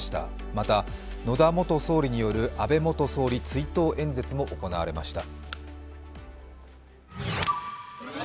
また、野田元総理による安倍元総理追悼演説も行われました。